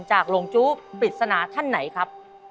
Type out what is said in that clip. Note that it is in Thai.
จะต้องตัดสินใจนะครับว่า